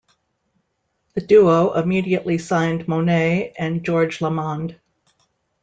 The duo immediately signed Monet and George Lamond.